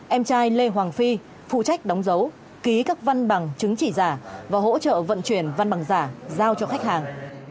em trai lê hoàng phi phụ trách đóng dấu ký các văn bằng chứng chỉ giả và hỗ trợ vận chuyển văn bằng giả giao cho khách hàng